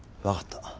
分かった。